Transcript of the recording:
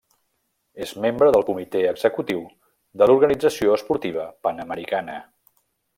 És membre del Comitè Executiu de l'Organització Esportiva Panamericana.